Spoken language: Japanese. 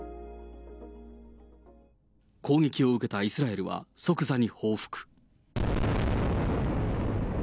攻撃を受けたイスラエルは即座に報復。